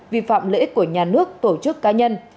vi phạm lợi ích của nhà nước tổ chức cá nhân